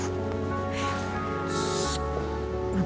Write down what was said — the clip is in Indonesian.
hai putri putri